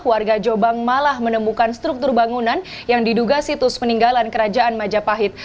warga jombang malah menemukan struktur bangunan yang diduga situs peninggalan kerajaan majapahit